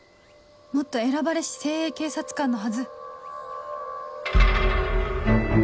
もっと選ばれし精鋭警察官のはず